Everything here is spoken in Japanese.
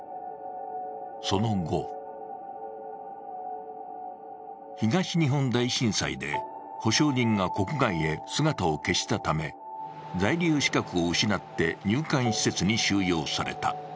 その後東日本大震災で保証人が国外へ姿を消したため在留資格を失って入管施設に収容された。